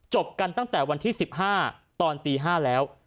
กันตั้งแต่วันที่๑๕ตอนตี๕แล้ว